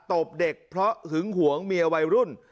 ตบเด็กเพราะหึงหวงเมียวัยรุ่น